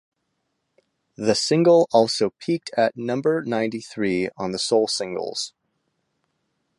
The single also peaked at number ninety-three on the soul singles.